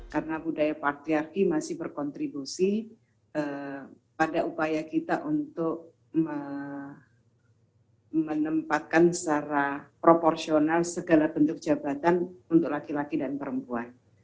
karena budaya patriarki masih berkontribusi pada upaya kita untuk menempatkan secara proporsional segala bentuk jabatan untuk laki laki dan perempuan